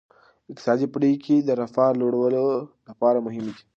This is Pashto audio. اقتصادي پریکړې د رفاه لوړولو لپاره مهمې دي.